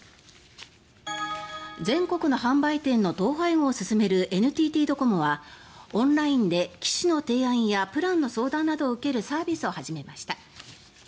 全国の販売店の統廃合を進めるＮＴＴドコモはオンラインで機種の提案やプランの提案などの受けるサービスを始めました。